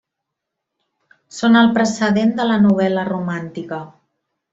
Són el precedent de la novel·la romàntica.